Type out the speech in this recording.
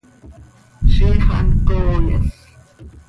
¡Ziix hant cooyas!